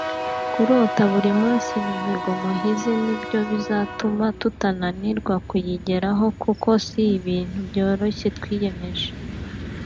kurota buri munsi imihigo muhize ni byo bizatuma tutananirwa kuyigeraho kuko si ibintu byoroshye twiyemeje”